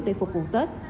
để phục vụ tết